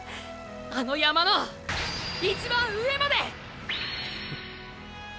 あの山の一番上まで！！